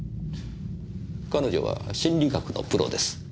彼女は心理学のプロです。